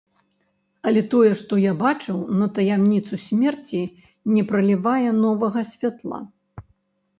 Але тое, што я бачыў, на таямніцу смерці не пралівае новага святла.